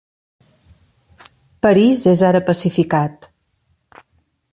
París és ara pacificat.